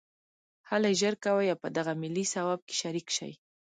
هلئ ژر کوئ او په دغه ملي ثواب کې شریک شئ